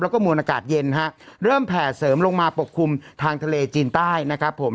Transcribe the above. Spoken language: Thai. แล้วก็มวลอากาศเย็นฮะเริ่มแผ่เสริมลงมาปกคลุมทางทะเลจีนใต้นะครับผม